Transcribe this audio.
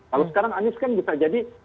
kalau sekarang anies kan bisa jadi